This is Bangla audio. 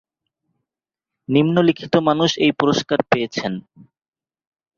নিম্নলিখিত মানুষ এই পুরস্কার পেয়েছেন।